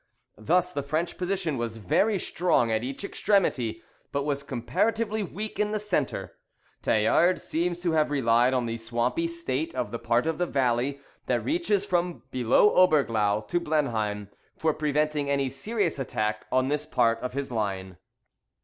Thus the French position was very strong at each extremity, but was comparatively weak in the centre. Tallard seems to have relied on the swampy state of the part of the valley that reaches from below Oberglau to Blenheim, for preventing any serious attack on this part of his line.